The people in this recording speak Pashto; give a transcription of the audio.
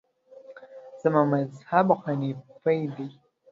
زما مذهب حنیفي دی.